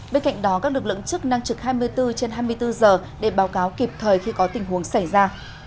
bên cạnh đó các lực lượng chức năng trực hai mươi bốn trên hai mươi bốn giờ để báo cáo kịp thời khi có tình huống xảy ra